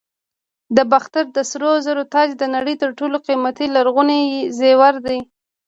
د باختر د سرو زرو تاج د نړۍ تر ټولو قیمتي لرغوني زیور دی